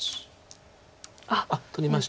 あっ抜きました。